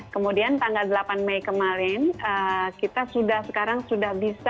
kemudian tanggal delapan mei kemarin kita sudah sekarang sudah bisa